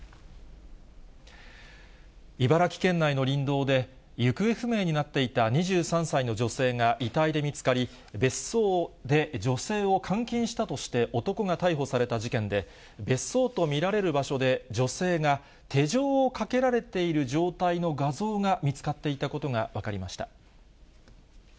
茨城県内の林道で、行方不明になっていた２３歳の女性が遺体で見つかり、別荘で女性を監禁したとして男が逮捕された事件で、別荘と見られる場所で女性が手錠をかけられている状態の画像が見つかっていたことが分かりました。